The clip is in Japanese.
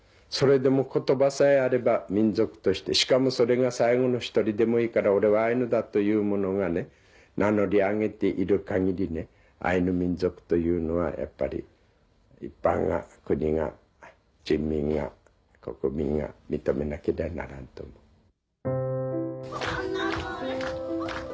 それでも言葉さえあれば民族としてしかもそれが最後の１人でもいいから「俺はアイヌだ」という者が名乗りを上げている限りアイヌ民族というのはやっぱり一般が国が人民が国民が認めなけりゃならんと思う。